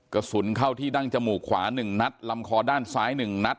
กระสุนเข้าที่ดั้งจมูกขวา๑นัดลำคอด้านซ้าย๑นัด